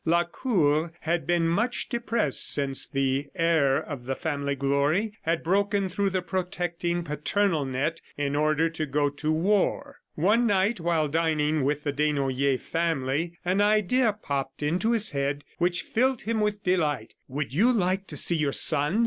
Lacour had been much depressed since the heir to the family glory had broken through the protecting paternal net in order to go to war. One night, while dining with the Desnoyers family, an idea popped into his head which filled him with delight. "Would you like to see your son?"